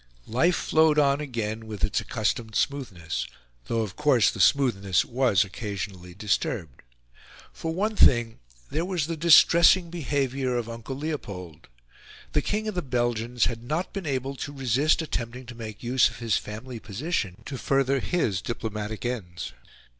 Life flowed on again with its accustomed smoothness though, of course, the smoothness was occasionally disturbed. For one thing, there was the distressing behaviour of Uncle Leopold. The King of the Belgians had not been able to resist attempting to make use of his family position to further his diplomatic ends.